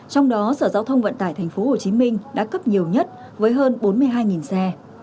trong đó sở giao thông vận tải thành phố hồ chí minh đã cấp nhiều nhất với hơn bốn mươi hai xe